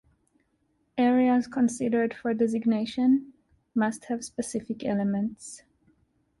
Areas considered for designation must have specific elements.